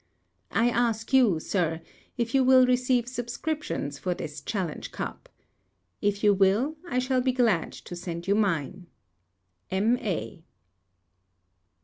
I ask you, Sir, if you will receive subscriptions for this challenge cup? If you will, I shall be glad to send you mine. "M. A.